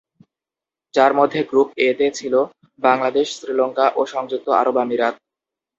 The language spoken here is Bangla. যার মধ্যে গ্রুপ এ তে ছিলো বাংলাদেশ, শ্রীলঙ্কা ও সংযুক্ত আরব আমিরাত।